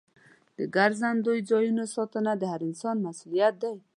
د ګرځندوی ځایونو ساتنه د هر انسان مسؤلیت دی.